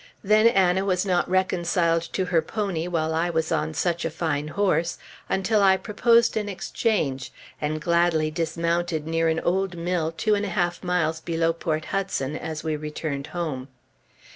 Then Anna was not reconciled to her pony while I was on such a fine horse, until I proposed an exchange, and gladly dismounted near an old mill two miles and a half below Port Hudson, as we returned home.